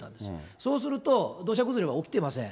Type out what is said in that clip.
そうすると、土砂崩れは起きてません。